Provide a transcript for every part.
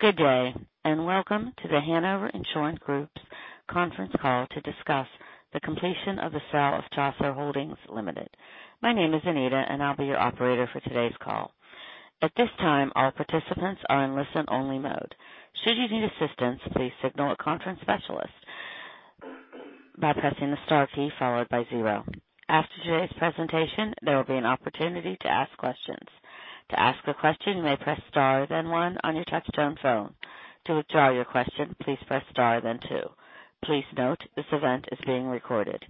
Good day, and welcome to The Hanover Insurance Group's conference call to discuss the completion of the sale of Chaucer Holdings Limited. My name is Anita, and I'll be your operator for today's call. At this time, all participants are in listen-only mode. Should you need assistance, please signal a conference specialist by pressing the star key followed by zero. After today's presentation, there will be an opportunity to ask questions. To ask a question, you may press star then one on your touch-tone phone. To withdraw your question, please press star then two. Please note, this event is being recorded.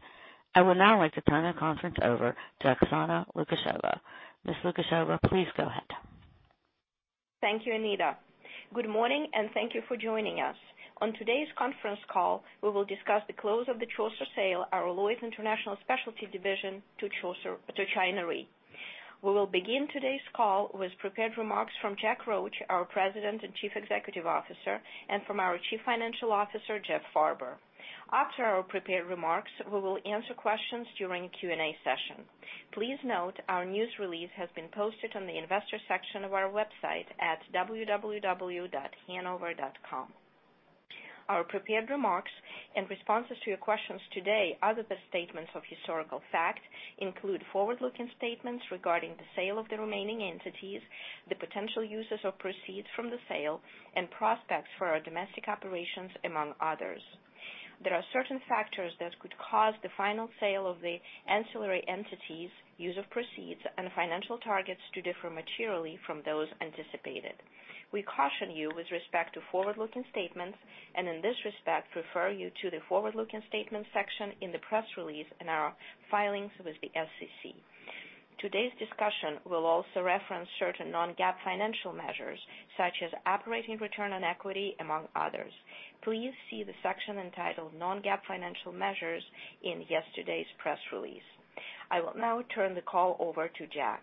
I would now like to turn the conference over to Oksana Lukasheva. Ms. Lukasheva, please go ahead. Thank you, Anita. Good morning, and thank you for joining us. On today's conference call, we will discuss the close of the Chaucer sale, our Lloyd's International Specialty division, to China Re. We will begin today's call with prepared remarks from Jack Roche, our President and Chief Executive Officer, and from our Chief Financial Officer, Jeff Farber. After our prepared remarks, we will answer questions during a Q&A session. Please note, our news release has been posted on the investor section of our website at www.hanover.com. Our prepared remarks in responses to your questions today are the best statements of historical fact, include forward-looking statements regarding the sale of the remaining entities, the potential uses of proceeds from the sale, and prospects for our domestic operations, among others. There are certain factors that could cause the final sale of the ancillary entities, use of proceeds, and financial targets to differ materially from those anticipated. We caution you with respect to forward-looking statements, and in this respect, refer you to the forward-looking statements section in the press release and our filings with the SEC. Today's discussion will also reference certain non-GAAP financial measures, such as operating return on equity, among others. Please see the section entitled Non-GAAP Financial Measures in yesterday's press release. I will now turn the call over to Jack.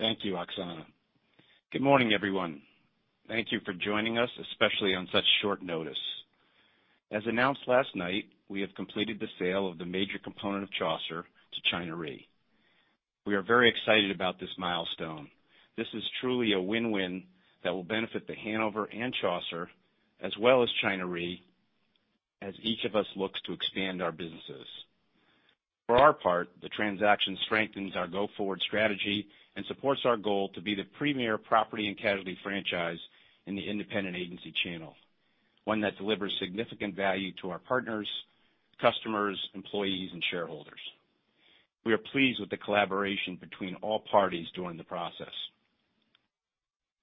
Thank you, Oksana. Good morning, everyone. Thank you for joining us, especially on such short notice. As announced last night, we have completed the sale of the major component of Chaucer to China Re. We are very excited about this milestone. This is truly a win-win that will benefit The Hanover and Chaucer, as well as China Re, as each of us looks to expand our businesses. For our part, the transaction strengthens our go-forward strategy and supports our goal to be the premier property and casualty franchise in the independent agency channel, one that delivers significant value to our partners, customers, employees, and shareholders. We are pleased with the collaboration between all parties during the process.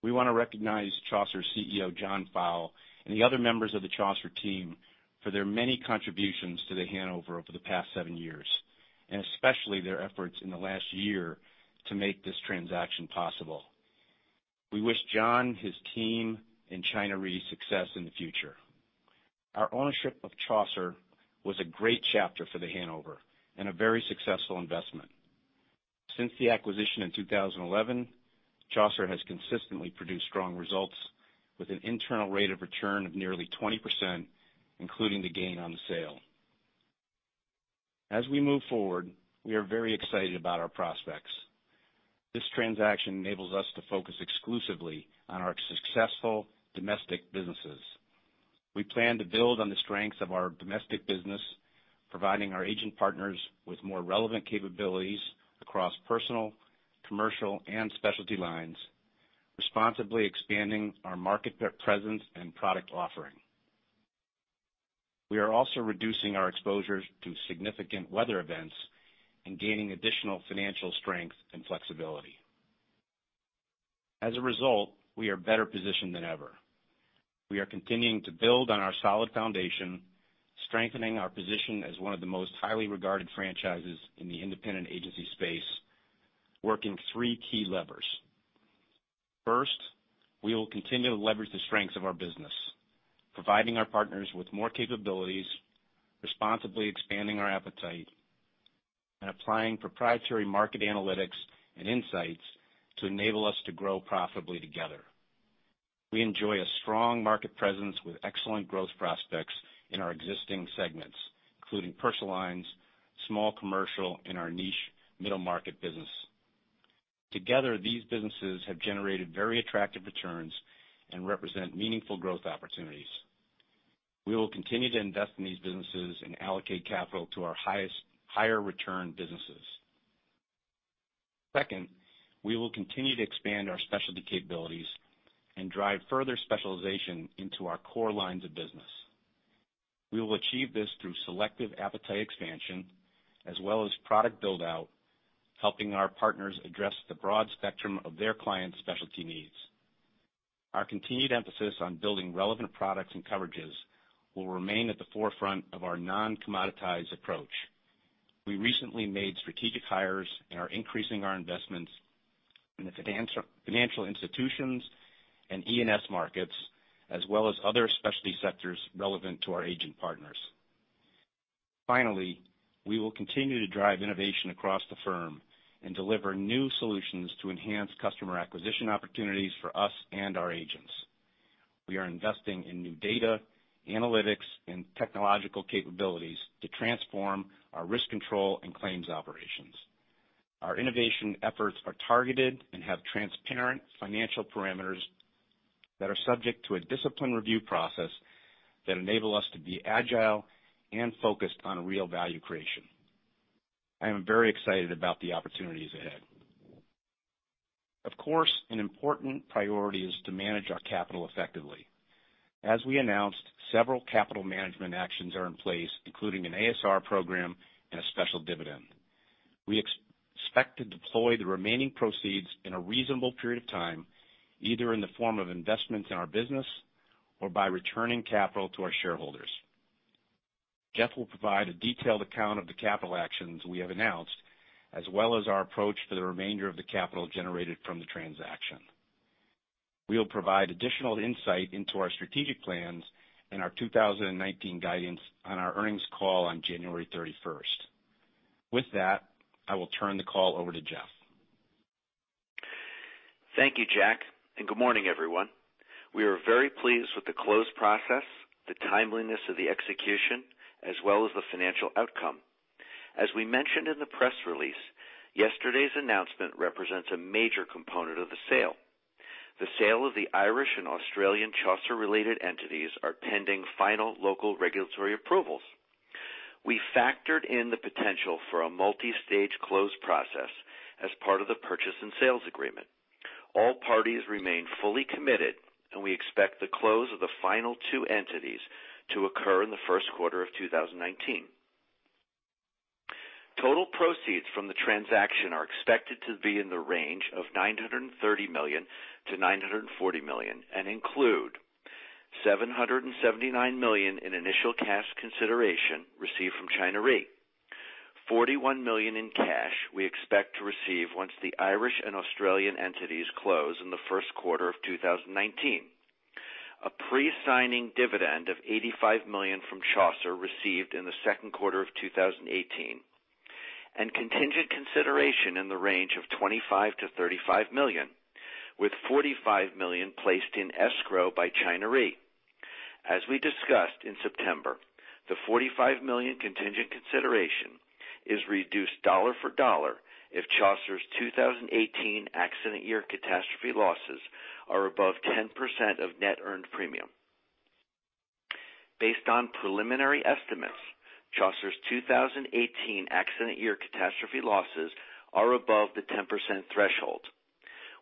We want to recognize Chaucer's CEO, John Fowle, and the other members of the Chaucer team for their many contributions to The Hanover over the past seven years, and especially their efforts in the last year to make this transaction possible. We wish John, his team, and China Re success in the future. Our ownership of Chaucer was a great chapter for The Hanover and a very successful investment. Since the acquisition in 2011, Chaucer has consistently produced strong results with an internal rate of return of nearly 20%, including the gain on the sale. As we move forward, we are very excited about our prospects. This transaction enables us to focus exclusively on our successful domestic businesses. We plan to build on the strengths of our domestic business, providing our agent partners with more relevant capabilities across personal, commercial, and specialty lines, responsibly expanding our market presence and product offering. We are also reducing our exposures to significant weather events and gaining additional financial strength and flexibility. As a result, we are better positioned than ever. We are continuing to build on our solid foundation, strengthening our position as one of the most highly regarded franchises in the independent agency space, working three key levers. First, we will continue to leverage the strengths of our business, providing our partners with more capabilities, responsibly expanding our appetite, and applying proprietary market analytics and insights to enable us to grow profitably together. We enjoy a strong market presence with excellent growth prospects in our existing segments, including personal lines, small commercial, and our niche middle-market business. Together, these businesses have generated very attractive returns and represent meaningful growth opportunities. We will continue to invest in these businesses and allocate capital to our higher return businesses. Second, we will continue to expand our specialty capabilities and drive further specialization into our core lines of business. We will achieve this through selective appetite expansion as well as product build-out, helping our partners address the broad spectrum of their clients' specialty needs. Our continued emphasis on building relevant products and coverages will remain at the forefront of our non-commoditized approach. We recently made strategic hires and are increasing our investments in the financial institutions and E&S markets, as well as other specialty sectors relevant to our agent partners. Finally, we will continue to drive innovation across the firm and deliver new solutions to enhance customer acquisition opportunities for us and our agents. We are investing in new data, analytics, and technological capabilities to transform our risk control and claims operations. Our innovation efforts are targeted and have transparent financial parameters that are subject to a disciplined review process that enable us to be agile and focused on real value creation. I am very excited about the opportunities ahead. Of course, an important priority is to manage our capital effectively. As we announced, several capital management actions are in place, including an ASR program and a special dividend. We expect to deploy the remaining proceeds in a reasonable period of time, either in the form of investments in our business or by returning capital to our shareholders. Jeff will provide a detailed account of the capital actions we have announced, as well as our approach to the remainder of the capital generated from the transaction. We'll provide additional insight into our strategic plans and our 2019 guidance on our earnings call on January 31st. With that, I will turn the call over to Jeff. Thank you, Jack, good morning, everyone. We are very pleased with the close process, the timeliness of the execution, as well as the financial outcome. As we mentioned in the press release, yesterday's announcement represents a major component of the sale. The sale of the Irish and Australian Chaucer-related entities are pending final local regulatory approvals. We factored in the potential for a multi-stage close process as part of the purchase and sales agreement. All parties remain fully committed, we expect the close of the final two entities to occur in the first quarter of 2019. Total proceeds from the transaction are expected to be in the range of $930 million-$940 million include $779 million in initial cash consideration received from China Re, $41 million in cash we expect to receive once the Irish and Australian entities close in the first quarter of 2019, a pre-signing dividend of $85 million from Chaucer received in the second quarter of 2018, contingent consideration in the range of $25 million-$35 million, with $45 million placed in escrow by China Re. As we discussed in September, the $45 million contingent consideration is reduced dollar for dollar if Chaucer's 2018 accident year catastrophe losses are above 10% of net earned premium. Based on preliminary estimates, Chaucer's 2018 accident year catastrophe losses are above the 10% threshold.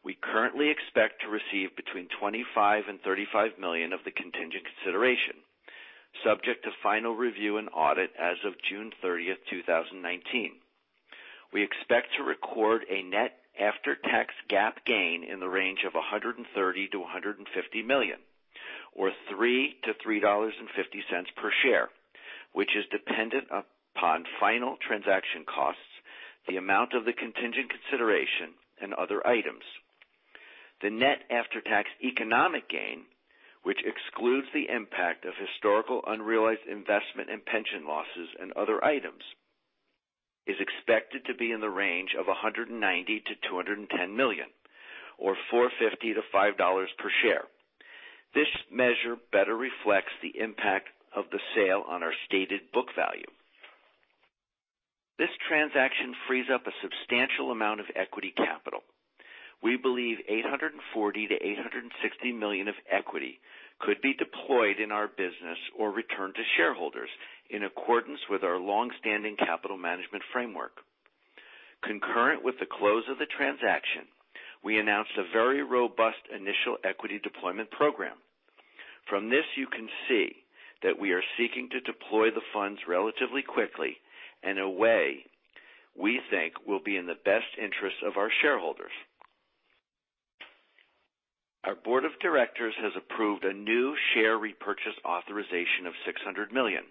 We currently expect to receive between $25 and $35 million of the contingent consideration, subject to final review and audit as of June 30th, 2019. We expect to record a net after-tax GAAP gain in the range of $130 million-$150 million, or $3-$3.50 per share, which is dependent upon final transaction costs, the amount of the contingent consideration, other items. The net after-tax economic gain, which excludes the impact of historical unrealized investment and pension losses and other items, is expected to be in the range of $190 million-$210 million, or $4.50-$5 per share. This measure better reflects the impact of the sale on our stated book value. This transaction frees up a substantial amount of equity capital. We believe $840 million-$860 million of equity could be deployed in our business or returned to shareholders in accordance with our longstanding capital management framework. Concurrent with the close of the transaction, we announced a very robust initial equity deployment program. From this, you can see that we are seeking to deploy the funds relatively quickly in a way we think will be in the best interest of our shareholders. Our board of directors has approved a new share repurchase authorization of $600 million.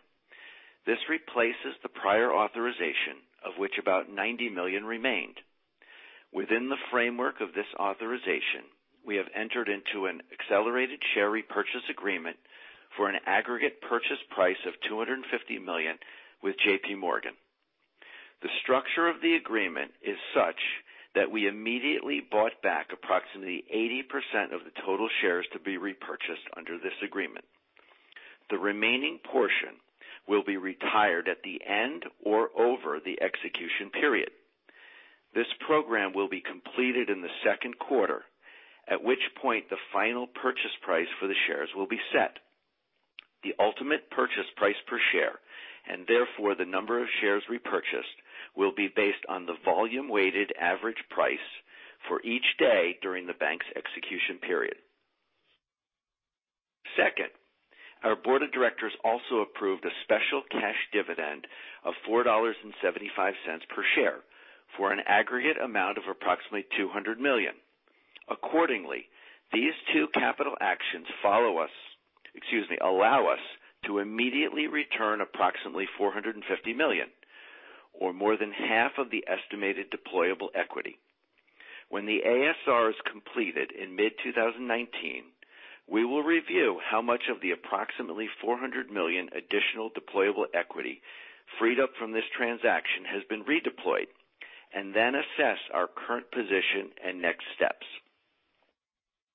This replaces the prior authorization, of which about $90 million remained. Within the framework of this authorization, we have entered into an accelerated share repurchase agreement for an aggregate purchase price of $250 million with J.P. Morgan. The structure of the agreement is such that we immediately bought back approximately 80% of the total shares to be repurchased under this agreement. The remaining portion will be retired at the end or over the execution period. This program will be completed in the second quarter, at which point the final purchase price for the shares will be set. The ultimate purchase price per share, and therefore the number of shares repurchased, will be based on the volume-weighted average price for each day during the bank's execution period. Second, our board of directors also approved a special cash dividend of $4.75 per share for an aggregate amount of approximately $200 million. Accordingly, these two capital actions allow us to immediately return approximately $450 million, or more than half of the estimated deployable equity. When the ASR is completed in mid-2019, we will review how much of the approximately $400 million additional deployable equity freed up from this transaction has been redeployed. Then assess our current position and next steps.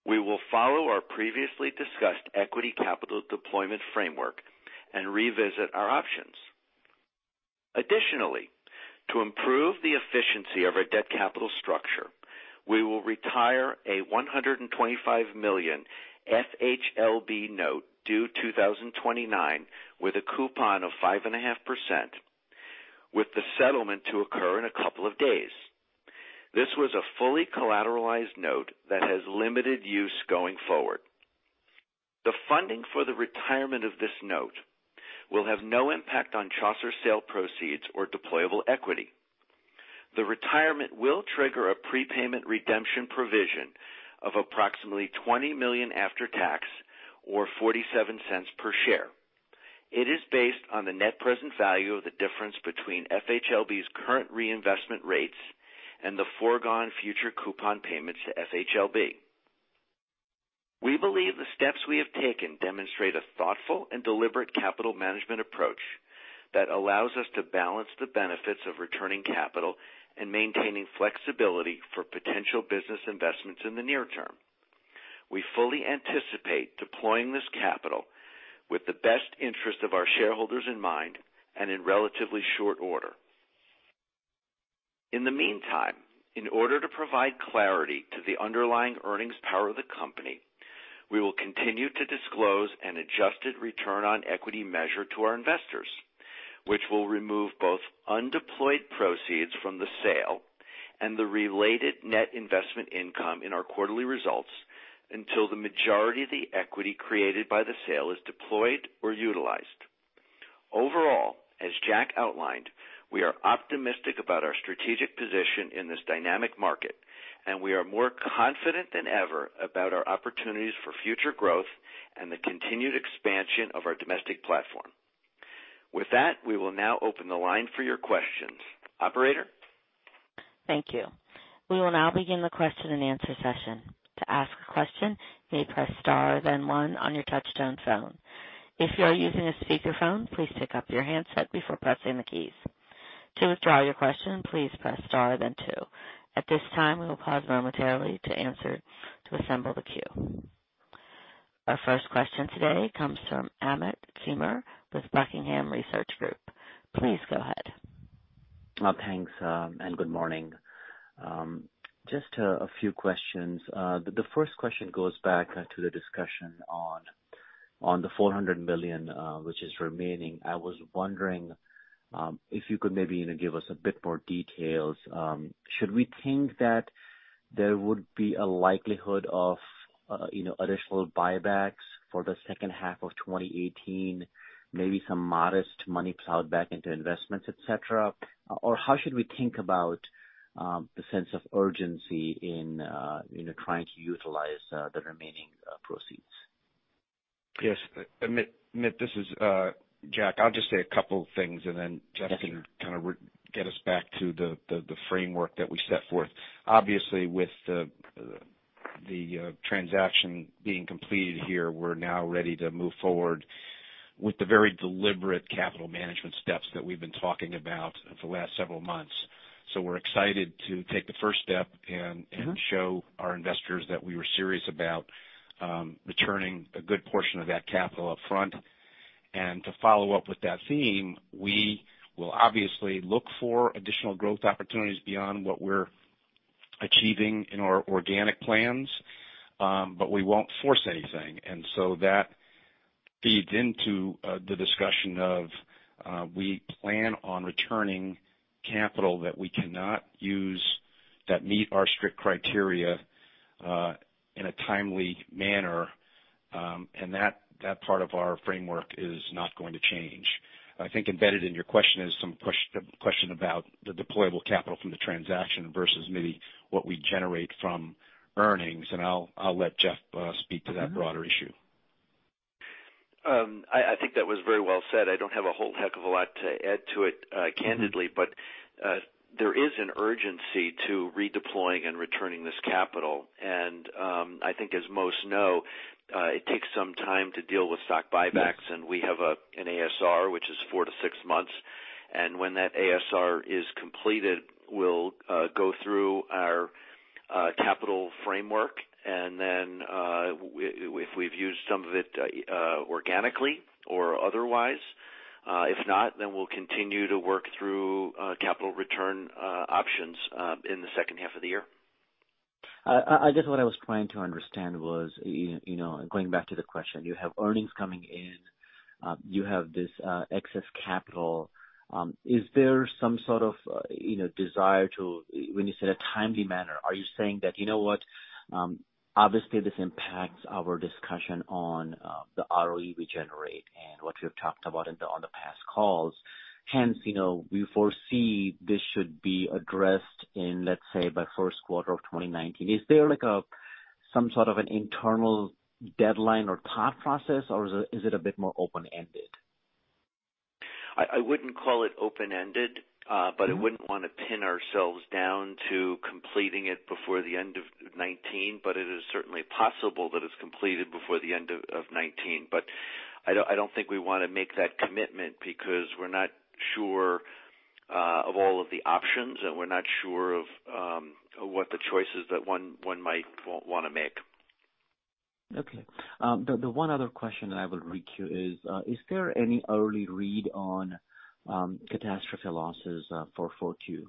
We will follow our previously discussed equity capital deployment framework and revisit our options. Additionally, to improve the efficiency of our debt capital structure, we will retire a $125 million FHLB note due 2029 with a coupon of 5.5%, with the settlement to occur in a couple of days. This was a fully collateralized note that has limited use going forward. The funding for the retirement of this note will have no impact on Chaucer's sale proceeds or deployable equity. The retirement will trigger a prepayment redemption provision of approximately $20 million after tax or $0.47 per share. It is based on the net present value of the difference between FHLB's current reinvestment rates and the foregone future coupon payments to FHLB. We believe the steps we have taken demonstrate a thoughtful and deliberate capital management approach that allows us to balance the benefits of returning capital and maintaining flexibility for potential business investments in the near term. We fully anticipate deploying this capital with the best interest of our shareholders in mind and in relatively short order. In the meantime, in order to provide clarity to the underlying earnings power of the company, we will continue to disclose an adjusted return on equity measure to our investors, which will remove both undeployed proceeds from the sale and the related net investment income in our quarterly results until the majority of the equity created by the sale is deployed or utilized. Overall, as Jack outlined, we are optimistic about our strategic position in this dynamic market. We are more confident than ever about our opportunities for future growth and the continued expansion of our domestic platform. With that, we will now open the line for your questions. Operator? Thank you. We will now begin the question and answer session. To ask a question, you may press star then one on your touchtone phone. If you are using a speakerphone, please pick up your handset before pressing the keys. To withdraw your question, please press star then two. At this time, we will pause momentarily to assemble the queue. Our first question today comes from Amit Dheema with Buckingham Research Group. Please go ahead. Thanks. Good morning. Just a few questions. The first question goes back to the discussion on the $400 million which is remaining. I was wondering if you could maybe give us a bit more details. Should we think that there would be a likelihood of additional buybacks for the second half of 2018, maybe some modest money plowed back into investments, et cetera? How should we think about the sense of urgency in trying to utilize the remaining proceeds? Yes. Amit, this is Jack. I'll just say a couple things, and then Jeff. Okay can kind of get us back to the framework that we set forth. Obviously, with the transaction being completed here, we're now ready to move forward with the very deliberate capital management steps that we've been talking about for the last several months. We're excited to take the first step and show our investors that we were serious about returning a good portion of that capital up front. To follow up with that theme, we will obviously look for additional growth opportunities beyond what we're achieving in our organic plans. We won't force anything. That feeds into the discussion of we plan on returning capital that we cannot use that meet our strict criteria in a timely manner, and that part of our framework is not going to change. I think embedded in your question is some question about the deployable capital from the transaction versus maybe what we generate from earnings, and I'll let Jeff speak to that broader issue. I think that was very well said. I don't have a whole heck of a lot to add to it, candidly. There is an urgency to redeploying and returning this capital. I think as most know, it takes some time to deal with stock buybacks, and we have an ASR, which is four to six months. When that ASR is completed, we'll go through our capital framework. If we've used some of it organically or otherwise. If not, then we'll continue to work through capital return options in the second half of the year. I guess what I was trying to understand was, going back to the question, you have earnings coming in, you have this excess capital. Is there some sort of desire to, when you said a timely manner, are you saying that, you know what, obviously this impacts our discussion on the ROE we generate and what we have talked about on the past calls. Hence, we foresee this should be addressed in, let's say, by first quarter of 2019. Is there some sort of an internal deadline or thought process, or is it a bit more open-ended? I wouldn't call it open-ended. I wouldn't want to pin ourselves down. Completing it before the end of 2019, but it is certainly possible that it's completed before the end of 2019. I don't think we want to make that commitment because we're not sure of all of the options, and we're not sure of what the choices that one might want to make. Okay. The one other question that I will read to you is, there any early read on catastrophe losses for 4Q?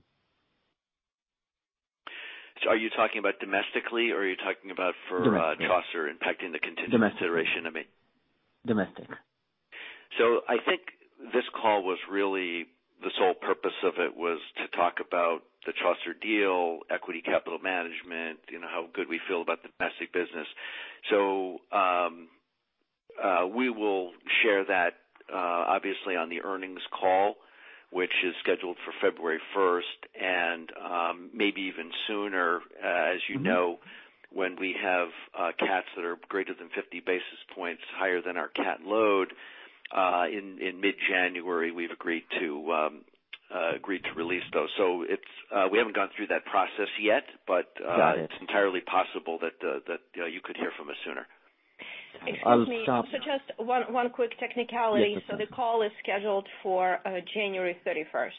Are you talking about domestically or are you talking about Domestic Chaucer impacting the Domestic iteration, Amit? Domestic. I think this call was really the sole purpose of it was to talk about the Chaucer deal, equity capital management, how good we feel about the domestic business. We will share that, obviously on the earnings call, which is scheduled for February 1st and maybe even sooner. When we have cats that are greater than 50 basis points higher than our cat load, in mid-January, we've agreed to release those. We haven't gone through that process yet. Got it. It's entirely possible that you could hear from us sooner. I'll stop. Excuse me. Just one quick technicality. Yes. The call is scheduled for January 31st.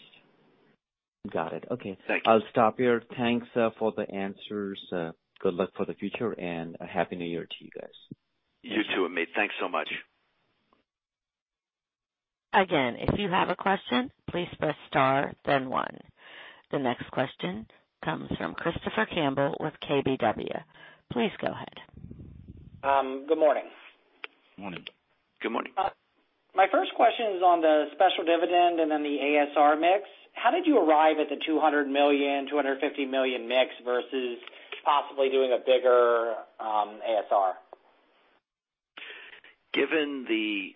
Got it. Okay. Thank you. I'll stop here. Thanks for the answers. Good luck for the future, and a Happy New Year to you guys. You too, Amit. Thanks so much. Again, if you have a question, please press star then one. The next question comes from Christopher Campbell with KBW. Please go ahead. Good morning. Morning. Good morning. My first question is on the special dividend and the ASR mix. How did you arrive at the $200 million, $250 million mix versus possibly doing a bigger ASR? Given the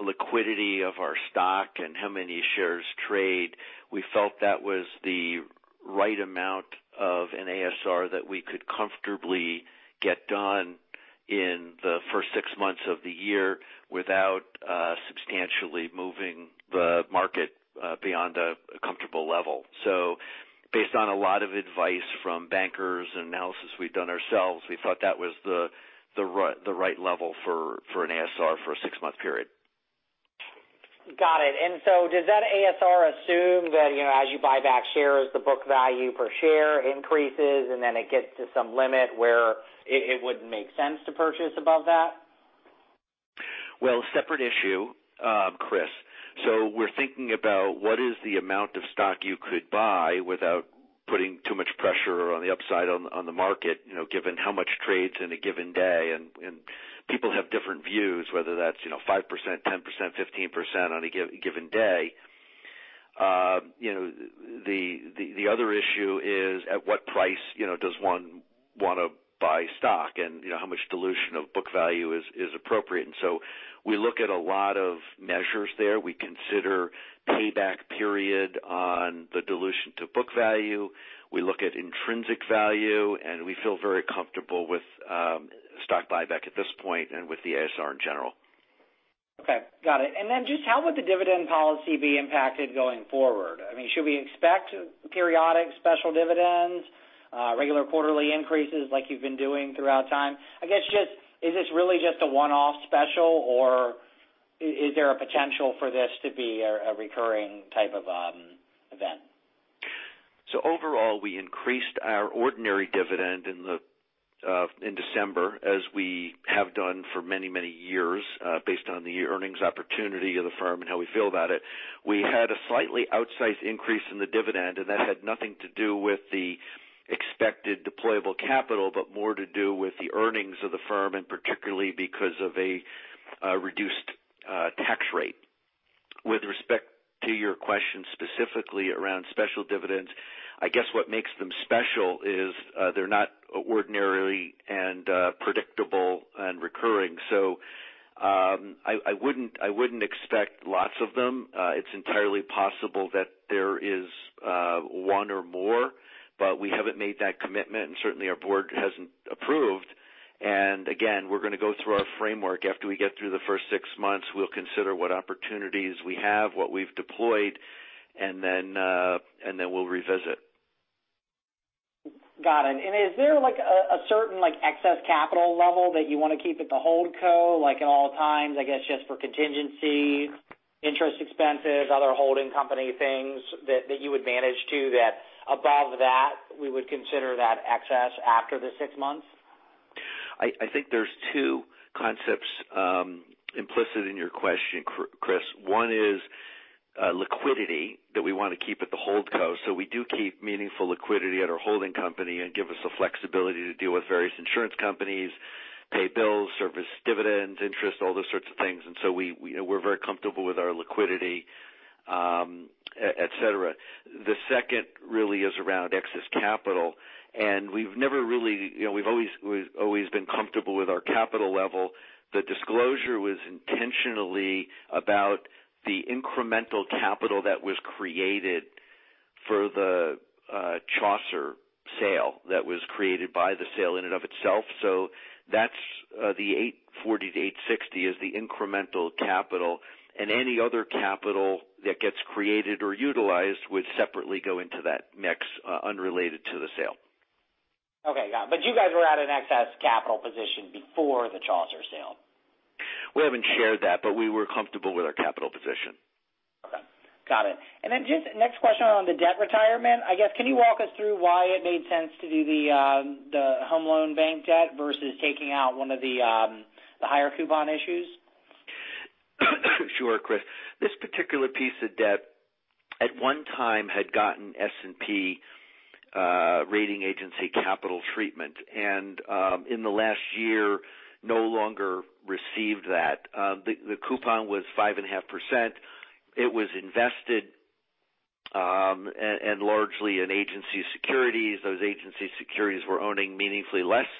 liquidity of our stock and how many shares trade, we felt that was the right amount of an ASR that we could comfortably get done in the first six months of the year without substantially moving the market beyond a comfortable level. Based on a lot of advice from bankers and analysis we've done ourselves, we thought that was the right level for an ASR for a six-month period. Got it. Does that ASR assume that, as you buy back shares, the book value per share increases, and then it gets to some limit where it wouldn't make sense to purchase above that? Well, separate issue, Chris. We're thinking about what is the amount of stock you could buy without putting too much pressure on the upside on the market, given how much trades in a given day. People have different views, whether that's 5%, 10%, 15% on a given day. The other issue is at what price does one want to buy stock, and how much dilution of book value is appropriate. We look at a lot of measures there. We consider payback period on the dilution to book value. We look at intrinsic value, and we feel very comfortable with stock buyback at this point and with the ASR in general. Okay. Got it. Then just how would the dividend policy be impacted going forward? I mean, should we expect periodic special dividends, regular quarterly increases like you've been doing throughout time? I guess just is this really just a one-off special, or is there a potential for this to be a recurring type of event? Overall, we increased our ordinary dividend in December, as we have done for many, many years, based on the earnings opportunity of the firm and how we feel about it. We had a slightly outsized increase in the dividend, and that had nothing to do with the expected deployable capital, but more to do with the earnings of the firm, and particularly because of a reduced tax rate. With respect to your question specifically around special dividends, I guess what makes them special is they're not ordinarily and predictable and recurring. I wouldn't expect lots of them. It's entirely possible that there is one or more, but we haven't made that commitment, and certainly our board hasn't approved. Again, we're going to go through our framework. After we get through the first six months, we'll consider what opportunities we have, what we've deployed, and then we'll revisit. Got it. Is there a certain excess capital level that you want to keep at the hold co, like at all times, I guess just for contingency, interest expenses, other holding company things that you would manage to that above that we would consider that excess after the six months? I think there's two concepts implicit in your question, Chris. One is liquidity that we want to keep at the hold co. We do keep meaningful liquidity at our holding company and give us the flexibility to deal with various insurance companies, pay bills, service dividends, interest, all those sorts of things. We're very comfortable with our liquidity, et cetera. The second really is around excess capital. We've always been comfortable with our capital level. The disclosure was intentionally about the incremental capital that was created for the Chaucer Sale that was created by the sale in and of itself. That's the $840-$860 is the incremental capital. Any other capital that gets created or utilized would separately go into that mix unrelated to the sale. Okay, got it. You guys were at an excess capital position before the Chaucer Sale? We haven't shared that, we were comfortable with our capital position. Okay. Got it. Just next question on the debt retirement. I guess, can you walk us through why it made sense to do the home loan bank debt versus taking out one of the higher coupon issues? Sure, Chris. This particular piece of debt at one time had gotten S&P rating agency capital treatment and in the last year no longer received that. The coupon was 5.5%. It was invested and largely in agency securities. Those agency securities were owning meaningfully less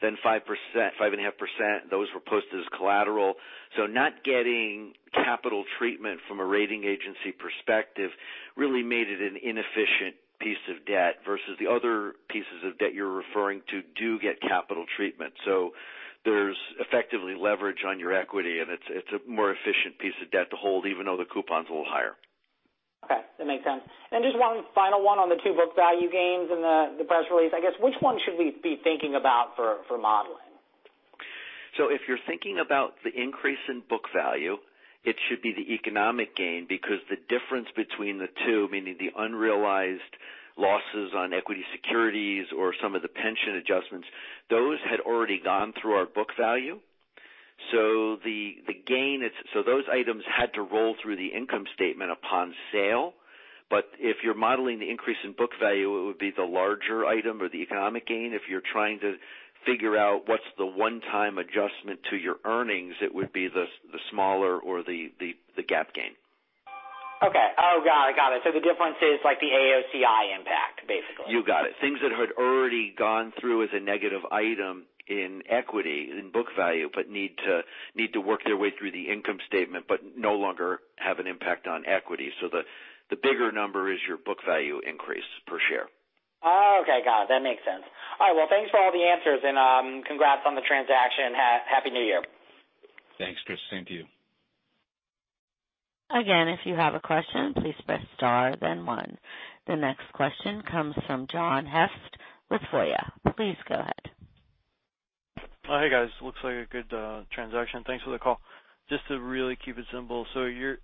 than 5.5%. Those were posted as collateral. Not getting capital treatment from a rating agency perspective really made it an inefficient piece of debt versus the other pieces of debt you're referring to do get capital treatment. There's effectively leverage on your equity, and it's a more efficient piece of debt to hold even though the coupon's a little higher. Okay, that makes sense. Just one final one on the two book value gains in the press release, I guess, which one should we be thinking about for modeling? If you're thinking about the increase in book value, it should be the economic gain because the difference between the two, meaning the unrealized losses on equity securities or some of the pension adjustments, those had already gone through our book value. Those items had to roll through the income statement upon sale. If you're modeling the increase in book value, it would be the larger item or the economic gain. If you're trying to figure out what's the one-time adjustment to your earnings, it would be the smaller or the GAAP gain. Okay. Oh, got it. The difference is like the AOCI impact basically. You got it. Things that had already gone through as a negative item in equity, in book value, but need to work their way through the income statement but no longer have an impact on equity. The bigger number is your book value increase per share. Okay, got it. That makes sense. All right. Thanks for all the answers and congrats on the transaction. Happy New Year. Thanks, Chris. Same to you. Again, if you have a question, please press star then one. The next question comes from John Hecht with Jefferies. Please go ahead. Hey guys. Looks like a good transaction. Thanks for the call. Just to really keep it simple. Your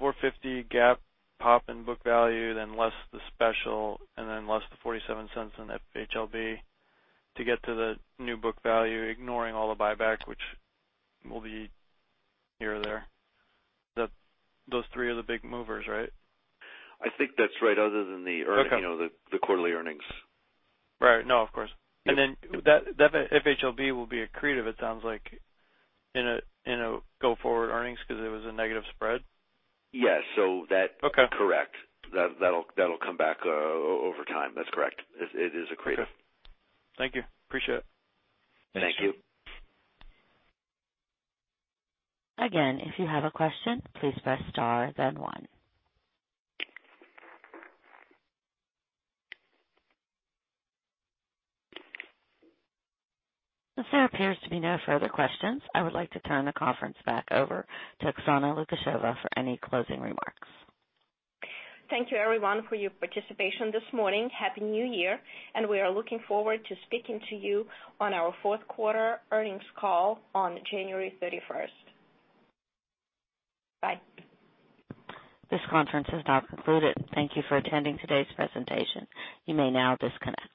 $450 GAAP pop and book value then less the special and then less the $0.47 in FHLB to get to the new book value, ignoring all the buyback which will be here or there. Those three are the big movers, right? I think that's right other than the- Okay. -the quarterly earnings. Right. No, of course. Then that FHLB will be accretive it sounds like in a go forward earnings because it was a negative spread. Yes. Okay. Correct. That'll come back over time. That's correct. It is accretive. Okay. Thank you. Appreciate it. Thank you. Again, if you have a question, please press star then one. As there appears to be no further questions, I would like to turn the conference back over to Oksana Lukasheva for any closing remarks. Thank you everyone for your participation this morning. Happy New Year, and we are looking forward to speaking to you on our fourth quarter earnings call on January 31st. Bye. This conference is now concluded. Thank you for attending today's presentation. You may now disconnect.